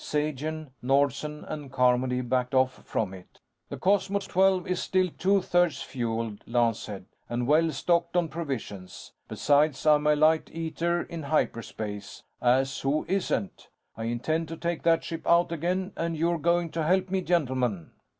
Sagen, Nordsen, and Carmody backed off from it. "The Cosmos XII is still two thirds fueled," Lance said. "And well stocked on provisions. Besides, I'm a light eater in hyperspace as who isn't? I intend to take that ship out again, and you're going to help me, gentlemen."